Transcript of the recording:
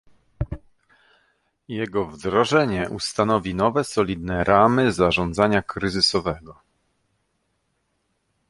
Jego wdrożenie ustanowi nowe, solidne ramy zarządzania kryzysowego